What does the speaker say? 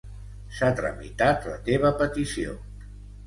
S'ha tramitat la teva petició.